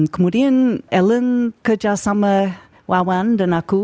kemudian helen kerja sama wawan dan aku